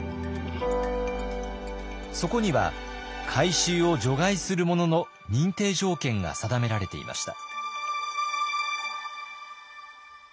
そこには回収を除外するものの認定条件が定められていました。